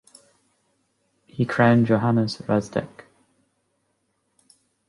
He crowned Johannes Rydzek.